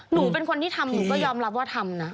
หนูเป็นคนที่ทำหนูก็ยอมรับว่าทำนะ